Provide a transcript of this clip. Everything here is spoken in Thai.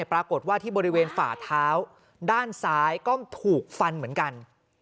ปรากฏว่าที่บริเวณฝ่าเท้าด้านซ้ายก็ถูกฟันเหมือนกัน